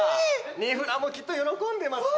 ニフラーもきっと喜んでますよ。